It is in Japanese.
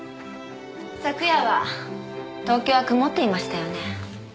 昨夜は東京は曇っていましたよね。